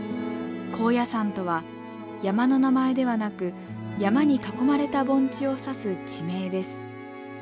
高野山とは山の名前ではなく山に囲まれた盆地を指す地名です。